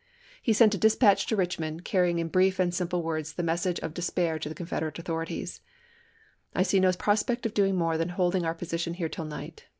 He sent a dispatch to Richmond, carrying in brief and simple words APPOMATTOX 181 the message of despair to the Confederate authori chap. ix. ties :" I see no prospect of doing more than holding Long, our position here till night.